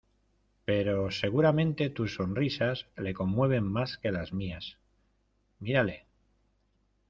pero seguramente tus sonrisas le conmueven más que las mías... ¡ mírale!